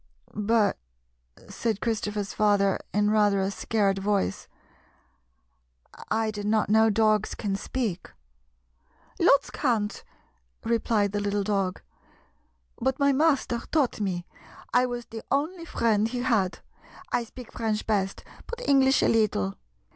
" But," said Christophers father, in rather a scared voice, " I did not know dogs can speak." " Lots can't," replied the little dog. "But my master taught me. I was the only friend he had. I speak French best, but English a little.